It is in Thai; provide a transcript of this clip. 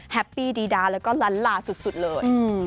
แฮปปี้ดีดาแล้วก็ลันล่าสุดเลย